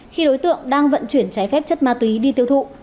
khi đối tượng đang vận chuyển trái phép chất ma túy đi tiêu thụ